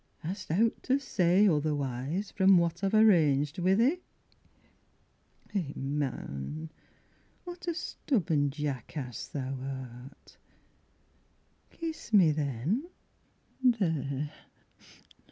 Hast owt to say otherwise From what I've arranged wi' thee? Eh man, what a stubborn jackass thou art, Kiss me then there!